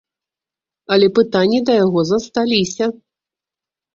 Але пытанні да яго засталіся.